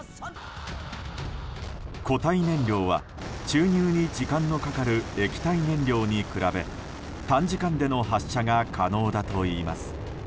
固体燃料は注入に時間のかかる液体燃料に比べ短時間での発射が可能だといいます。